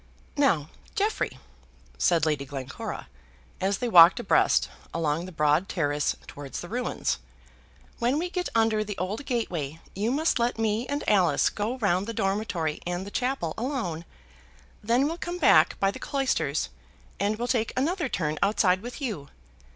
"Now, Jeffrey," said Lady Glencora as they walked abreast along the broad terrace towards the ruins, "when we get under the old gateway you must let me and Alice go round the dormitory and the chapel alone. Then we'll come back by the cloisters, and we'll take another turn outside with you.